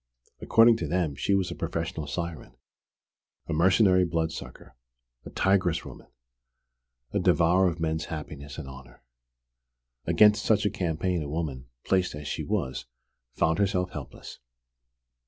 According to them she was a professional siren, a mercenary blood sucker, a "tigress woman," a devourer of men's happiness and honour! Against such a campaign a woman, placed as she was, found herself helpless.